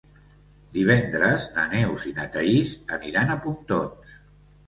Divendres na Neus i na Thaís aniran a Pontons.